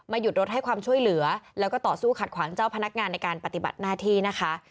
หยุดรถให้ความช่วยเหลือแล้วก็ต่อสู้ขัดขวางเจ้าพนักงานในการปฏิบัติหน้าที่นะคะ